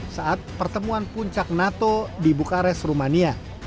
saat pertemuan puncak nato di bukarest rumania